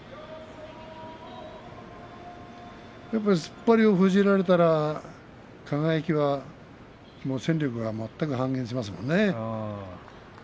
突っ張りを封じられたら輝はもう戦力が全く半減しますもんね。